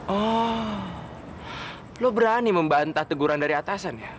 oh lo berani membantah teguran dari atasan ya